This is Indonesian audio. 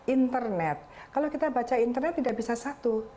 internet kalau kita baca internet tidak bisa satu